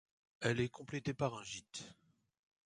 Il est complété par un gite.